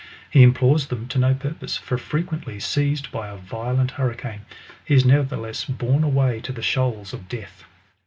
he implores them to no purpose ; for, frequently, seized by a violent hurricane, he is neverthe less borne away to the shoals of death.